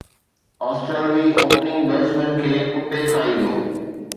آسٽريلوي opening batsman کي ڪتي کائي ويو